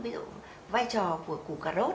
ví dụ vai trò của củ cà rốt